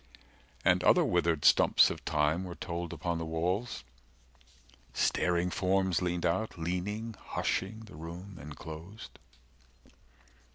And other withered stumps of time Were told upon the walls; staring forms 105 Leaned out, leaning, hushing the room enclosed.